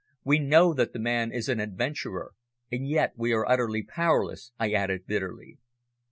"We know that the man is an adventurer, and yet we are utterly powerless," I added bitterly.